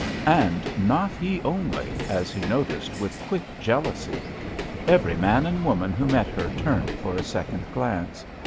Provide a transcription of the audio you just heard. And not he only, as he noticed with quick jealousy. Every man and woman who met her turned for a second glance.